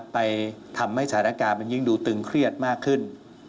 ไปทำให้สถานการณ์มันยิ่งดูตึงเครียดมากขึ้น